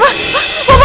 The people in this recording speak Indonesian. banget sih nasib lu